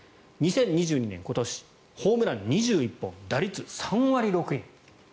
２０２２年今年ホームラン２１本打率３割６厘。